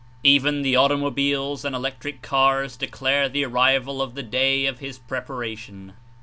Even the automobiles and electric cars declare the arrival of the "day of his preparation."